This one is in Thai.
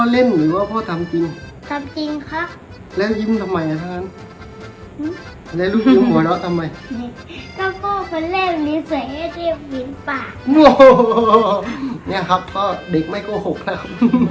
ลูกคิดว่าพ่อเล่นหรือว่าพ่อทำจริง